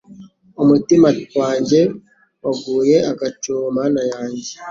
Umutima wanjye waguye agacuho Mana yanjye